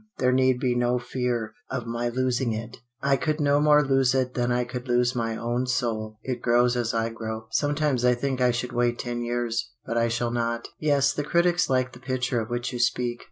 There need be no fear of my losing it. I could no more lose it than I could lose my own soul. It grows as I grow. Sometimes I think I should wait ten years but I shall not. "Yes, the critics like the picture of which you speak.